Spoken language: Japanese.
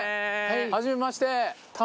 はじめまして。